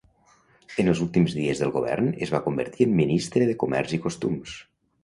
En els últims dies del govern es va convertir en ministre de comerç i costums.